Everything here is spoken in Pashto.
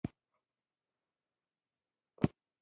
غوره ده چې موږ بېلابېل نظریاتي حدس ومنو.